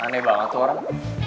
aneh banget tuh orang